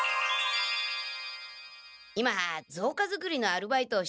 今ぞうか作りのアルバイトをしていまして。